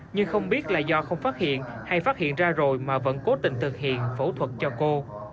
nhưng không biết là do không phát hiện hay phát hiện ra rồi mà vẫn cố tình thực hiện phẫu thuật cho cô